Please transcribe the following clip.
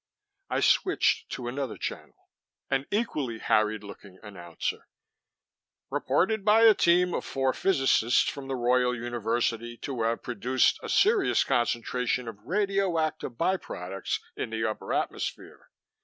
I switched to another channel. An equally harried looking announcer: " reported by a team of four physicists from the Royal University to have produced a serious concentration of radioactive byproducts in the upper atmosphere.